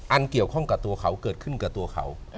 อันเกี่ยวข้องกับตัวเขาเกิดขึ้นกับตัวเขา